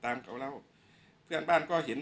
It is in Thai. ช่างแอร์เนี้ยคือล้างหกเดือนครั้งยังไม่แอร์